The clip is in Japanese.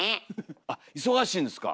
あっ忙しいんですか。